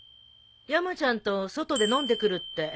山ちゃんと外で飲んでくるって。